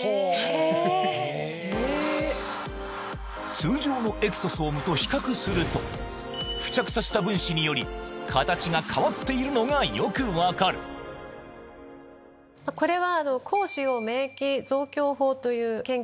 通常のエクソソームと比較すると付着させた分子により形が変わっているのがよく分かるこれは。